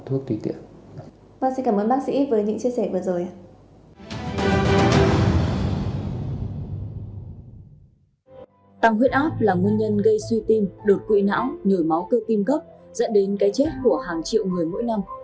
tăng huyết áp là nguyên nhân gây suy tim đột quỵ não nhồi máu cơ tim gấp dẫn đến cái chết của hàng triệu người mỗi năm